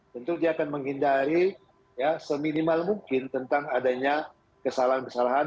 tentu dia akan menghindari seminimal mungkin tentang adanya kesalahan kesalahan